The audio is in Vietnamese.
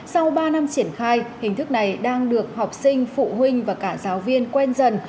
sau ba năm triển khai hình thức này đang được học sinh phụ huynh và cả giáo viên quen dần